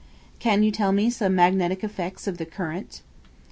Can you tell me some magnetic effects of the current?